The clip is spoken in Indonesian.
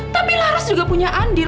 tapi laras juga punya andir